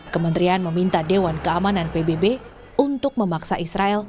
kementerian meminta dewan keamanan pbb untuk memaksa israel